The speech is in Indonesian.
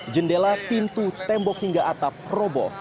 jendela pintu tembok hingga atap robo